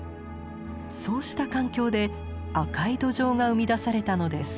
そうした環境で赤い土壌が生み出されたのです。